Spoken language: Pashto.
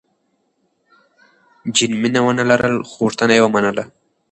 جین مینه ونه لرله، خو غوښتنه یې ومنله.